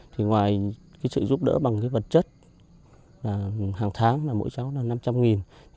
thì ngoài sự giúp đỡ bằng vật chất hàng tháng mỗi cháu là năm trăm linh